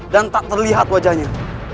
dan tak terlihat wajahnya